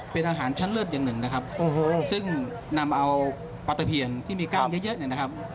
เป็นอาหารชั้นเลิศอย่างหนึ่งนะครับซึ่งนำเอาปลาตะเพียนที่มีกล้ามเยอะเนี่ยนะครับ